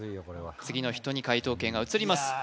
これは次の人に解答権が移ります